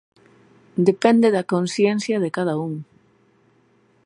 Depende da consciencia de cada un.